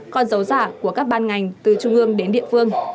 con dấu giả của các ban ngành từ trung ương đến địa phương